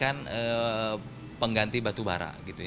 yang pertama pengganti batu bara